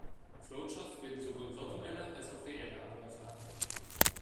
Flowcharts bilden sowohl virtuelle, als auch reelle Abläufe ab.